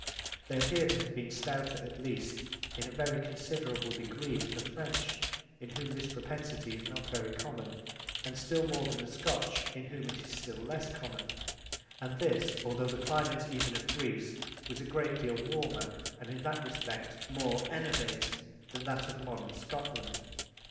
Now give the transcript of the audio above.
They appear to have been stouter at least in a very considerable degree than the French in whom this propensity is not very common and still more than the Scotch in whom it is still less common, and this although the climate even of Greece was a great deal warmer and in that respect more enervating than that of modern Scotland.